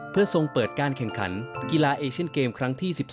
เพื่อทรงเปิดการแข่งขันกีฬาเอเชียนเกมครั้งที่๑๒